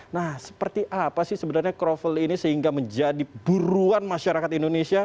nah seperti apa sih sebenarnya kroffel ini sehingga menjadi buruan masyarakat indonesia